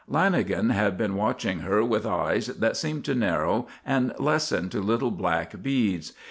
Lanagan had been watching her with eyes that seemed to narrow and lessen to little black beads.